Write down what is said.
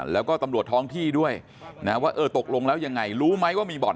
แล้วก็ตำรวจท้องที่ด้วยตกลงแล้วยังไงรู้มั้ยว่ามีบ่น